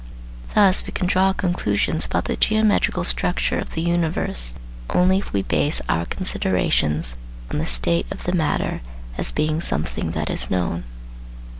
Thus we can draw conclusions about the geometrical structure of the universe only if we base our considerations on the state of the matter as being something that is known.